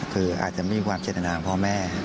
คืออาจจะมีความเจตนาของพ่อแม่